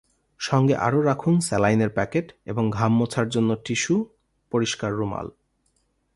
সঙ্গে আরও রাখুন স্যালাইনের প্যাকেট এবং ঘাম মোছার জন্য টিস্যু, পরিষ্কার রুমাল।